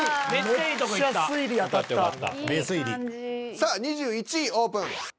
さあ２１位オープン。